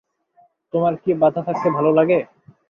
তোমার কি বাঁধা থাকতে ভালো লাগে?